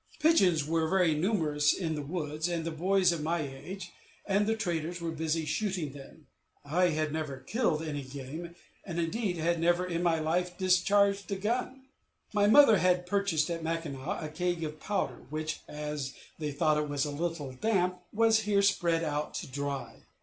Pigeons were very numerous in the woods, and the boys of my age, and the traders, were busy shooting them. I had never killed any game, and, indeed, had never in my life discharged a gun. My mother had purchased at Mackinac a keg of powder, which, as they thought it a little damp, was here spread out to dry.